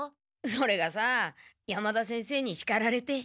それがさ山田先生にしかられて。